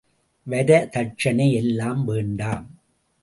வரதட்சணை எல்லாம் வேண்டாம்.